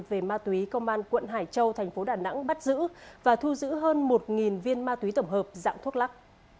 về ma túy công an quận hải châu thành phố đà nẵng bắt giữ và thu giữ hơn một viên ma túy tổng hợp dạng thuốc lắc